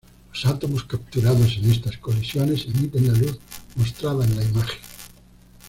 Los átomos capturados en estas colisiones emiten la luz mostrada en la imagen.